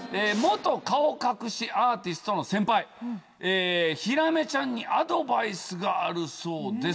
顔隠しアーティストの先輩ひらめちゃんにアドバイスがあるそうです。